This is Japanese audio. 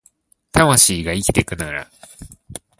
魂が生きてくなら